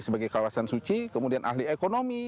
sebagai kawasan suci kemudian ahli ekonomi